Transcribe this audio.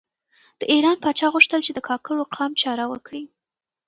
د ایران پاچا غوښتل چې د کاکړو قام چاره وکړي.